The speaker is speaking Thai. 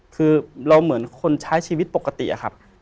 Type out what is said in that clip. คือเราเหมือนคนใช้ชีวิตปกติอะครับ